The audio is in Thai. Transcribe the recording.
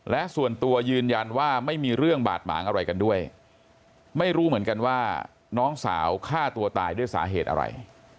และส่วนตัวยืนยันว่าไม่มีเรื่องบาดหมางอะไรกันด้วยไม่รู้เหมือนกันว่าน้องสาวฆ่าตัวตายด้วยสาเหตุอะไร